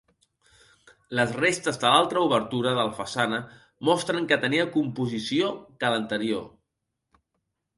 Les restes de l'altra obertura de la façana mostren que tenia composició que l'anterior.